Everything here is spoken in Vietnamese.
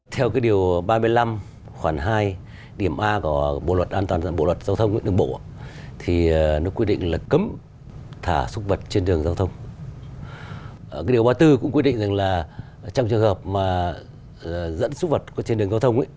trong trường hợp dẫn xuất vật trên đường giao thông